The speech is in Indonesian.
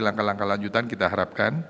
langkah langkah lanjutan kita harapkan